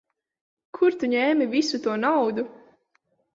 Kur tu ņēmi visu to naudu?